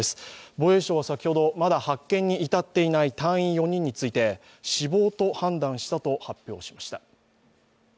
防衛省は先ほど、まだ発見に至っていない隊員４人について死亡と判断したと発表しました。